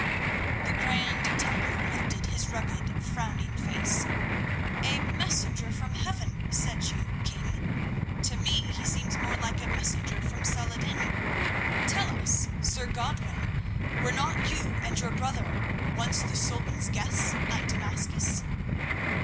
The Grand Templar lifted his rugged, frowning face. "A messenger from heaven, said you, king? To me he seems more like a messenger from Saladin. Tell us, Sir Godwin, were not you and your brother once the Sultan's guests at Damascus?"